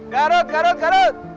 garut garut garut